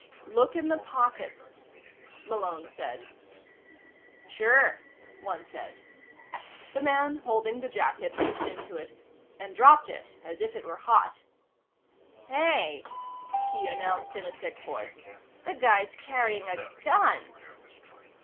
"Look in the pockets," Malone said. "Sure," one said. The man holding the jacket reached into it and dropped it as if it were hot. "Hey," he announced in a sick voice, "the guy's carrying a gun."